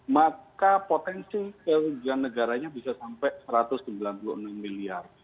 maka potensi kerugian negaranya bisa sampai satu ratus sembilan puluh enam miliar